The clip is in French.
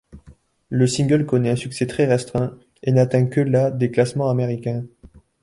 Le single connaît un succès très restreint et n'atteint que la des classements américains.